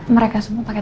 mereka semua bersama